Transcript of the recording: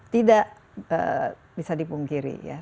tidak bisa dipungkiri ya